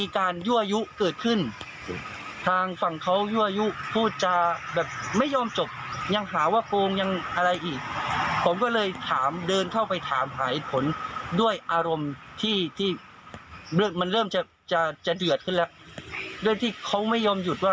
โกงไอ้คำว่าโกงนี่เลย